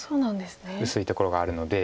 薄いところがあるので。